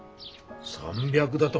３００だと。